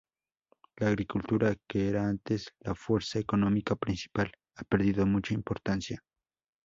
La agricultura, que era antes la fuerza económica principal, ha perdido mucha importancia.